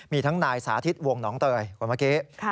มีทั้งนายสาธิตวงหนองเตยคนเมื่อกี้